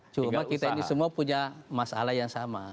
cuma kita ini semua punya masalah yang sama